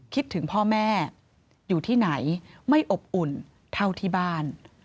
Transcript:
คิดถึงพ่อแม่อยู่ที่ไหนไม่อบอุ่นเท่าที่บ้าน